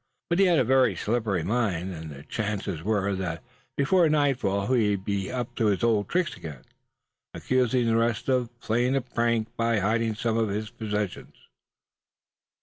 But he had a very slippery mind, and the chances were that before nightfall he would be up to his old tricks again, accusing the rest of playing a prank by hiding some of his possessions.